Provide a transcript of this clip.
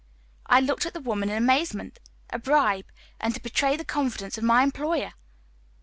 I looked at the woman in amazement. A bribe, and to betray the confidence of my employer!